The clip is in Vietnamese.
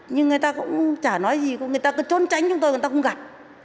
nhưng người ta cũng chả nói gì người ta cứ trốn tránh chúng tôi người ta không gặp